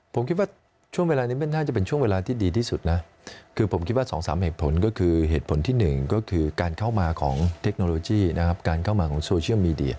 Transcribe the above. ผมคิดว่าช่วงเวลานี้น่าจะเป็นช่วงเวลาที่ดีที่สุดนะคือผมคิดว่าสองสามเหตุผลก็คือเหตุผลที่หนึ่งก็คือการเข้ามาของเทคโนโลยีนะครับ